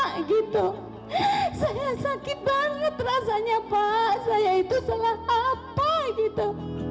saya sakit banget rasanya pak saya itu salah apa